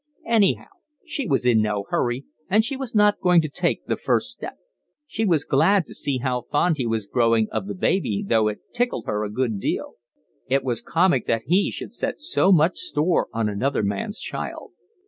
Anyhow she was in no hurry, and she was not going to take the first step. She was glad to see how fond he was growing of the baby, though it tickled her a good deal; it was comic that he should set so much store on another man's child.